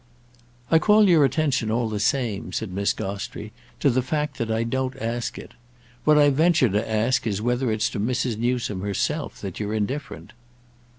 "I call your attention, all the same," said Miss Gostrey, "to the fact that I don't ask it. What I venture to ask is whether it's to Mrs. Newsome herself that you're indifferent."